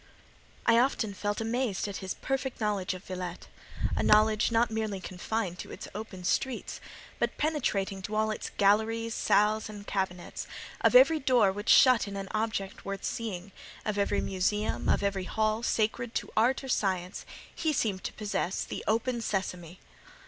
I often felt amazed at his perfect knowledge of Villette; a knowledge not merely confined to its open streets, but penetrating to all its galleries, salles, and cabinets: of every door which shut in an object worth seeing, of every museum, of every hall, sacred to art or science, he seemed to possess the "Open! Sesame."